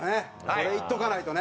これいっとかないとね。